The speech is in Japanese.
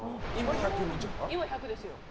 今、１００ですよ。